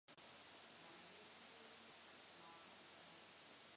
Do Nizozemska se Romeo dostal ze Surinamu ve svých šesti letech.